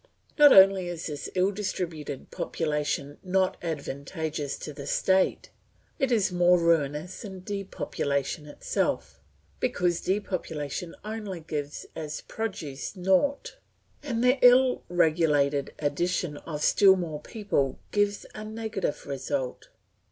Not only is this ill distributed population not advantageous to the state, it is more ruinous than depopulation itself, because depopulation only gives as produce nought, and the ill regulated addition of still more people gives a negative result.